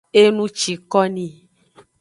Enucikoni.